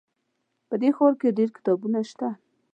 په دې ښار کې ډېر کتابتونونه شته